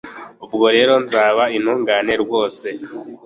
ubwo rero nzaba intungane rwose